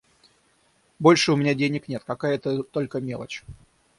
Больше у меня денег нет, какая-то только мелочь.